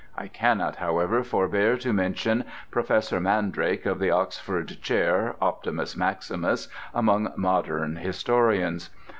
I cannot, however, forbear to mention Professor Mandrake, of the Oxford Chair, optimus maximus among modern historians.